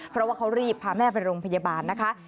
เพราะว่าเขารีบพาแม่ไปโรงพยาบาลนะคะ